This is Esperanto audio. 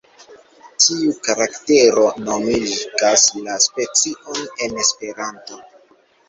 Tiu karaktero nomigas la specion en Esperanto.